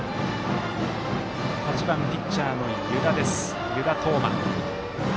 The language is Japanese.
８番、ピッチャーの湯田統真です。